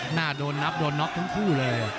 หน้าโดนนับโดนน็อกทั้งคู่เลย